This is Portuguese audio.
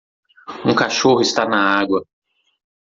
Um cachorro está na água.